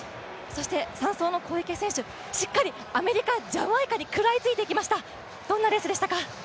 そして３走の小池選手、しっかりアメリカジャマイカに食らいついていきました。